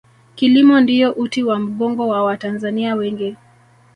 kilimo ndiyo uti wa mgongo wa watanzania wengi